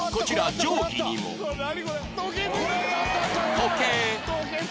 時計